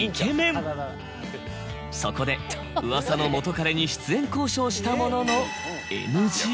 そこでうわさの元カレに出演交渉したものの。